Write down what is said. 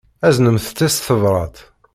Aznemt-tt s tebṛat.